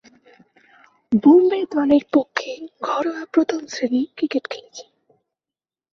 বোম্বে দলের পক্ষে ঘরোয়া প্রথম-শ্রেণীর ক্রিকেট খেলেছেন।